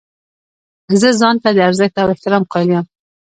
زه ځان ته د ارزښت او احترام قایل یم.